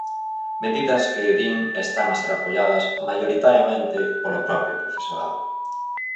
Medidas que, din, están a ser apoiadas "maioritariamente" polo propio profesorado.